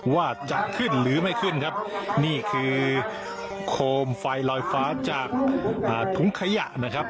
ว่าจะขึ้นหรือไม่ขึ้นครับนี่คือโคมไฟลอยฟ้าจากถุงขยะนะครับ